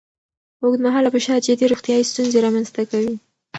اوږدمهاله فشار جدي روغتیایي ستونزې رامنځ ته کوي.